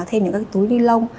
thêm những cái túi li lông